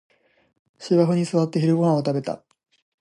芝生に座って昼ごはんを食べた